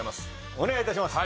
お願いいたします。